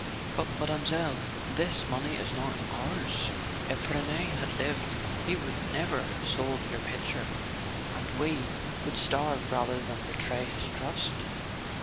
"But, Mademoiselle " "This money is not ours. If Rene had lived he would never have sold your picture; and we would starve rather than betray his trust."